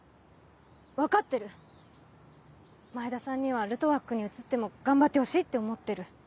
分かってる前田さんにはルトワックに移っても頑張ってほしいって思ってる。